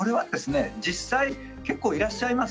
実際、結構いらっしゃいます。